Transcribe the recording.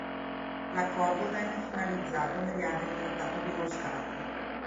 L'accordo venne finalizzato mediante il trattato di Roskilde.